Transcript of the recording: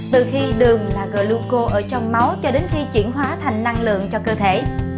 từ khi đường là gluco ở trong máu cho đến khi chuyển hóa thành năng lượng cho cơ thể